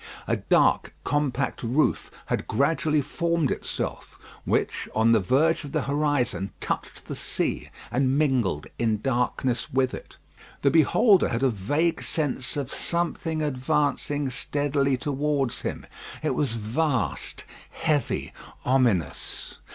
A dark compact roof had gradually formed itself, which on the verge of the horizon touched the sea, and mingled in darkness with it. The beholder had a vague sense of something advancing steadily towards him. It was vast, heavy, ominous.